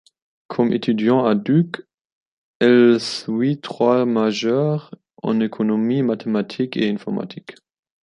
Comme étudiant à Duke, elle suit trois majeures, en économie, mathématiques et informatique.